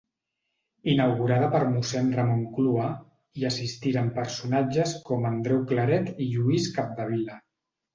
Inaugurada per mossèn Ramon Clua, hi assistiren personatges com Andreu Claret i Lluís Capdevila.